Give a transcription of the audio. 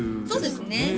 そうですね